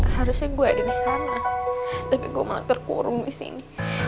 harusnya gue ada di sana tapi gue malah terkurung di sini